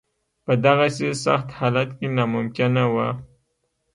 په دغسې سخت حالت کې ناممکنه وه.